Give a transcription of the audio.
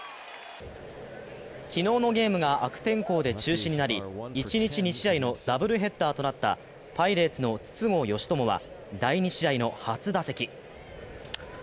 昨日のゲームが悪天候で中止になり、一日２試合のダブルヘッダーとなったパイレーツの筒香嘉智は第２試合の初打席。